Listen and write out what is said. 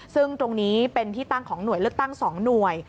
ซึ่งตรงนี้เป็นที่ตั้งของหน่วยเลือกตั้ง๒หน่วย